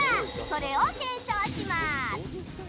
それを検証します。